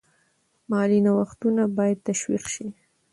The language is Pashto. مالي نوښتونه باید تشویق شي.